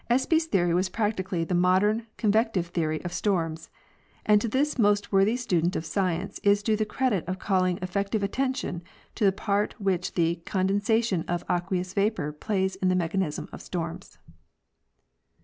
Espy's theory was practically the modern convective theory of storms, and to this most worthy student of science is due the credit of calling effective attention to the part which the con densation of aqueous vapor plays in the mechanism of storms.